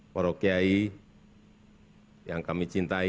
porokyai yang kami cintai